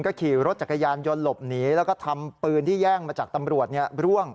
ก็ขี่รถจักรยานยนต์หลบหนีแล้วก็ทำปืนที่แย่งมาจากตำรวจร่วง